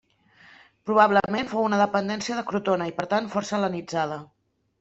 Probablement fou una dependència de Crotona, i per tant força hel·lenitzada.